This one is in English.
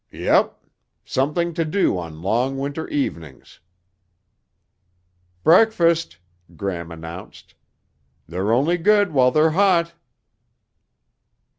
"Yup. Something to do on long winter evenings." "Breakfast," Gram announced. "They're only good while they're hot."